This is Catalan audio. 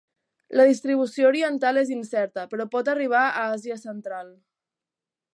La distribució oriental és incerta, però pot arribar a Àsia central.